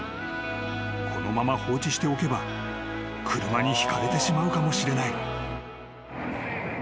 ［このまま放置しておけば車にひかれてしまうかもしれない］